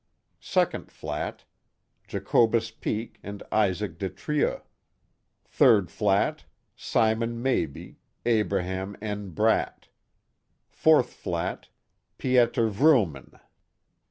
Second flat: Jacobus Peek and Isaac De Trieux. Third flat: Simon Mabie, Abraham N. Bratt. Fourth flat : Pieter Vrooman.